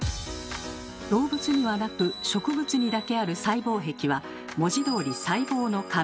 動物にはなく植物にだけある細胞壁は文字どおり細胞の壁。